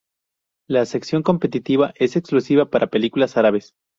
La sección competitiva es exclusiva para películas árabes.